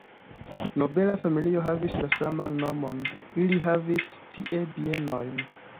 Nobela familio havis la saman nomon, ili havis tie bienojn.